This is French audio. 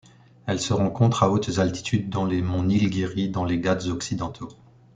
Elle se rencontre à hautes altitudes dans les monts Nîlgîri dans les Ghats occidentaux.